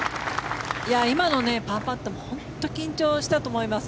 今のパーパットも本当に緊張したと思います。